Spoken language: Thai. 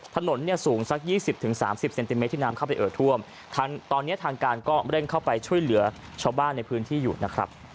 ถนนเนี่ยสูงสัก๒๐๓๐เซนติเมตรที่น้ำเข้าไปเอ่อท่วมทางตอนนี้ทางการก็เร่งเข้าไปช่วยเหลือชาวบ้านในพื้นที่อยู่นะครับ